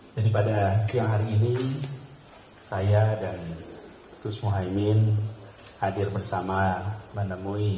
jadi pada siang hari ini saya dan tudus mohaimin hadir bersama bapak demui